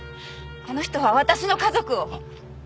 あの人は私の家族を。